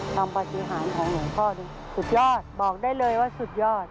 ความประสิทธิ์หาของหลวงพ่อดีสุดยอดบอกได้เลยว่าสุดยอด